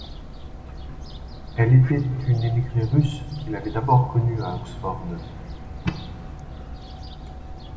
Elle était une émigrée russe qu’il avait d'abord connu à Oxford.